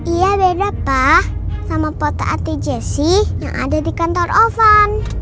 iya beda pak sama foto anti jesi yang ada di kantor van